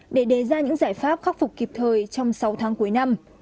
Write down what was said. để đề ra những giải pháp khắc phục kịp thời trong sáu tháng cuối năm